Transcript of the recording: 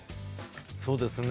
そうですね。